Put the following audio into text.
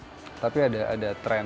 masa pertama perusahaan tersebut berhasil